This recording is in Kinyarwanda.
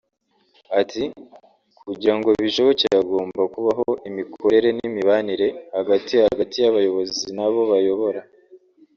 Ati “Kugira ngo bishoboke hagomba kubaho imikorere n’imibanire hagati hagati y’abayobozi n’abo bayobora